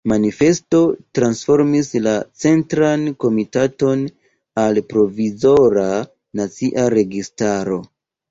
Manifesto transformis la Centran Komitaton al Provizora Nacia Registaro.